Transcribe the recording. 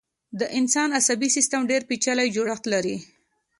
د انسان عصبي سيستم ډېر پيچلی جوړښت لري.